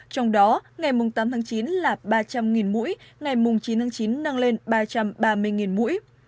trong đó ngày tám tháng chín là ba trăm linh mũi ngày chín tháng chín nâng lên ba trăm ba mươi mũi